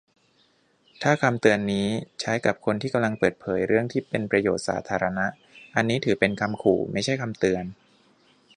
ถ้าคำเตือนนี้ใช้กับคนที่กำลังเปิดเผยเรื่องที่เป็นประโยชน์สาธารณะ อันนี้ถือเป็นคำขู่ ไม่ใช่คำเตือน